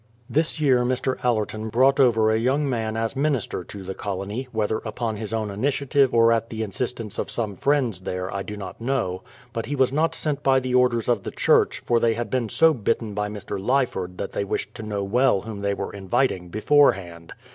This year Mr. Allerton brought over a young man as minister to the colony, whether upon his own initiative or at the instance of some friends there, I do not know; but he was not sent by the orders of the church, for they had been so bitten by Mr. Lyford that they wished to know well whom they were inviting, beforehand.